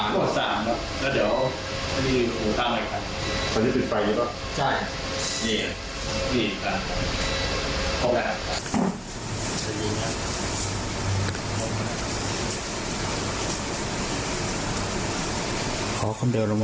เร็วจัดนี่สามอดายสี่สองโทรอีกคันสามแล้วสามแล้ว